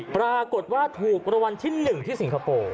ปรากฏว่าถูกรางวัลที่๑ที่สิงคโปร์